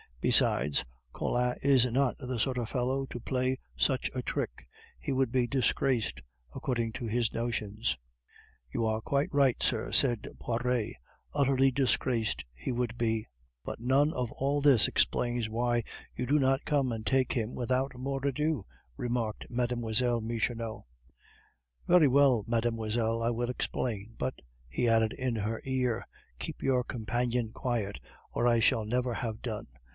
Besides, Collin is not the sort of fellow to play such a trick; he would be disgraced, according to his notions." "You are quite right, sir," said Poiret, "utterly disgraced he would be." "But none of all this explains why you do not come and take him without more ado," remarked Mlle. Michonneau. "Very well, mademoiselle, I will explain but," he added in her ear, "keep your companion quiet, or I shall never have done.